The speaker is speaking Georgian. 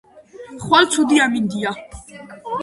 ხვალ ცუდი ამინდია